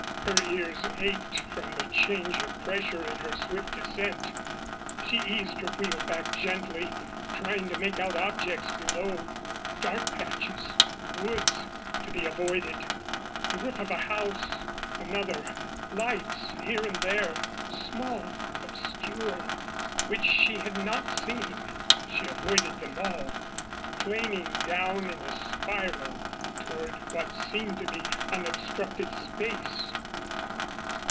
Her ears ached from the change of pressure in her swift descent. She eased her wheel back gently, trying to make out objects below. Dark patches woods to be avoided, the roof of a house another lights here and there, small, obscure, which she had not seen. She avoided them all, planing down in a spiral toward what seemed to be unobstructed space.